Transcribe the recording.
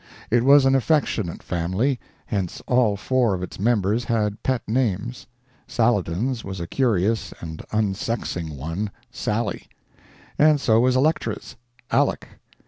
It was an affectionate family, hence all four of its members had pet names, Saladin's was a curious and unsexing one Sally; and so was Electra's Aleck.